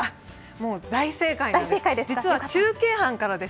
もう大正解なんです。